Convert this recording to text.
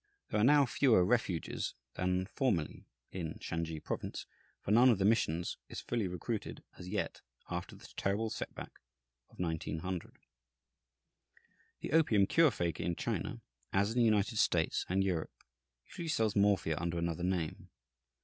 There are now fewer refuges than formerly in Shansi Province, for none of the missions is fully recruited as yet, after the terrible set back of 1900. The opium cure faker in China, as in the United States and Europe, usually sells morphia under another name.